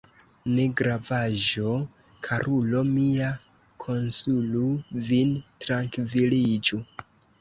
Negravaĵo, karulo mia, konsolu vin, trankviliĝu.